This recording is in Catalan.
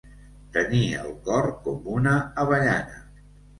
Tenir el cor com una avellana.